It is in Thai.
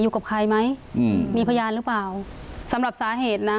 อยู่กับใครไหมอืมมีพยานหรือเปล่าสำหรับสาเหตุนะ